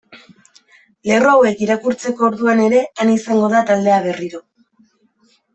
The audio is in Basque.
Lerro hauek irakurtzeko orduan ere han izango da taldea berriro.